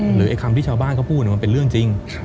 ไอ้คำที่ชาวบ้านเขาพูดมันเป็นเรื่องจริง